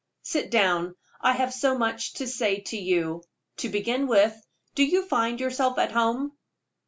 Sit down; I have so much to say to you. To begin with, do you find yourself at home?"